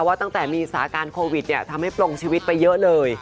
ว่าตั้งแต่มีสาการโควิดเนี่ยทำให้ปลงชีวิตไปเยอะเลย